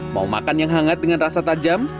mau makan yang hangat dengan rasa tajam